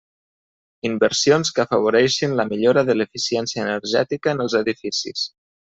Inversions que afavoreixin la millora de l'eficiència energètica en els edificis.